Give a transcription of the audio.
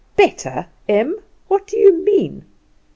"Better, Em! What do you mean?